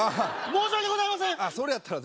申し訳ございません！